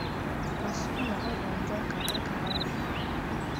ma sịkwa na ọ bụ njọ ka a ka anụ